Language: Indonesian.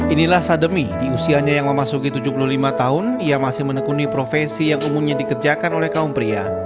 inilah sademi di usianya yang memasuki tujuh puluh lima tahun ia masih menekuni profesi yang umumnya dikerjakan oleh kaum pria